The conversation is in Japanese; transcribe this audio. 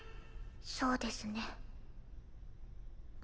そうですね。